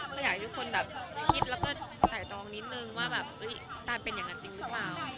ก็อยากให้ทุกคนแบบคิดแล้วก็ไต่ตรองนิดนึงว่าแบบตานเป็นอย่างนั้นจริงหรือเปล่า